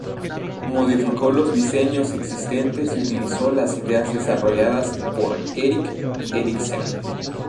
Modificó los diseños existentes y utilizó las ideas desarrolladas por Erik Eriksen.